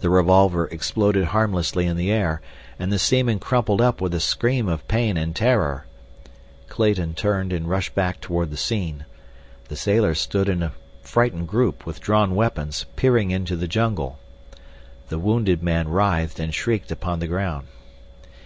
The revolver exploded harmlessly in the air, and the seaman crumpled up with a scream of pain and terror. Clayton turned and rushed back toward the scene. The sailors stood in a frightened group, with drawn weapons, peering into the jungle. The wounded man writhed and shrieked upon the ground.